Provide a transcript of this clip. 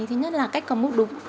thứ nhất là cách cầm bút đúng